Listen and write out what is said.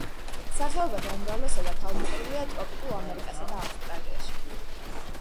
სახეობათა უმრავლესობა თავმოყრილია ტროპიკულ ამერიკასა და ავსტრალიაში.